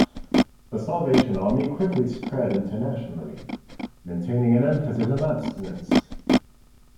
The Salvation Army quickly spread internationally, maintaining an emphasis on abstinence.